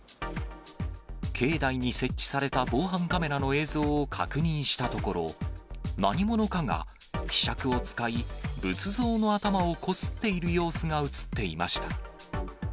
境内に設置された防犯カメラの映像を確認したところ、何者かが、ひしゃくを使い、仏像の頭をこすっている様子が写っていました。